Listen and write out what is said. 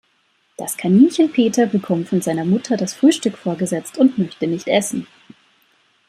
Das Kaninchen Peter bekommt von seiner Mutter das Frühstück vorgesetzt und möchte nicht essen.